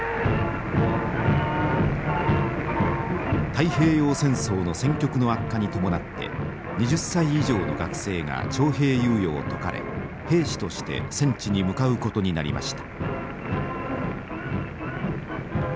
太平洋戦争の戦局の悪化に伴って２０歳以上の学生が徴兵猶予を解かれ兵士として戦地に向かうことになりました。